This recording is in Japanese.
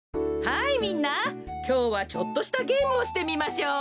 はいみんなきょうはちょっとしたゲームをしてみましょう。